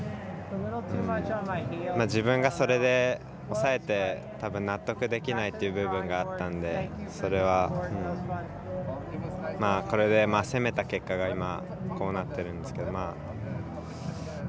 自分がそれで抑えて納得できないという部分があったんでそれはこれで攻めた結果が今こうなってるんですけど。